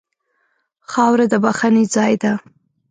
خاوره د بښنې ځای ده.